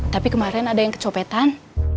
tapi kemarin ada yang kecopetan